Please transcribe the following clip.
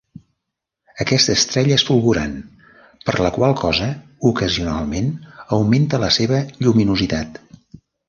Aquesta estrella és fulgurant, per la qual cosa ocasionalment augmenta la seva lluminositat.